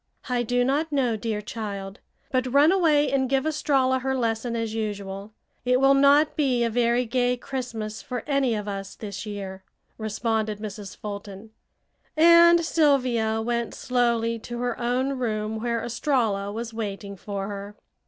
"I do not know, dear child, but run away and give Estralla her lesson, as usual. It will not be a very gay Christmas for any of us this year," responded Mrs. Fulton, and Sylvia went slowly to her own room where Estralla was waiting for her.